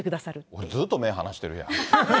僕、ずっと目離してるやん。